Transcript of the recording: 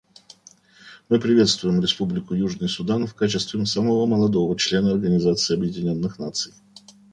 Мы приветствуем Республику Южный Судан в качестве самого молодого члена Организации Объединенных Наций.